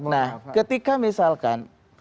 nah ketika misalkan